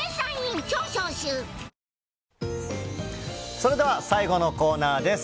それでは最後のコーナーです。